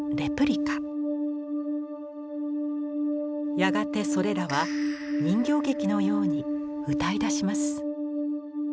やがてそれらは人形劇のように歌いだします。